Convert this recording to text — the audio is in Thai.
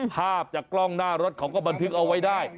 ภาพจากกล้องหน้ารถเขาก็บันทึกเอาไว้ได้